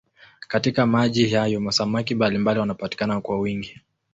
Katika maji hayo samaki mbalimbali wanapatikana kwa wingi.